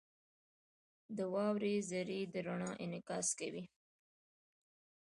• د واورې ذرې د رڼا انعکاس کوي.